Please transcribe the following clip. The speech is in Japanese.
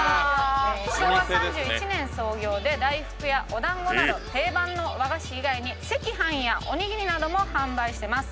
昭和３１年創業で大福やお団子など定番の和菓子以外に赤飯やおにぎりなども販売してます。